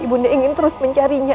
ibu nda ingin terus mencarinya